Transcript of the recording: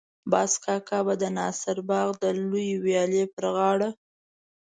باز کاکا به د ناصر باغ د لویې ويالې پر غاړه.